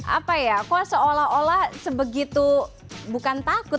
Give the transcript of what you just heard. apa ya kok seolah olah sebegitu bukan takut